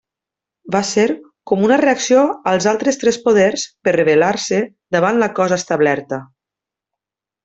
Va ser com una reacció als altres tres poders per rebel·lar-se davant la cosa establerta.